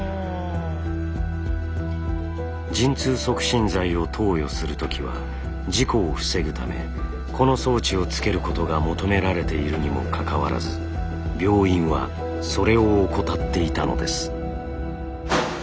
陣痛促進剤を投与する時は事故を防ぐためこの装置をつけることが求められているにもかかわらず病院はそれを怠っていたのです。